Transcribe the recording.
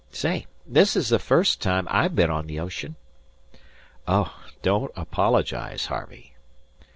Say, this is the first time I've been on the ocean." "Oh, don't apologize, Harvey."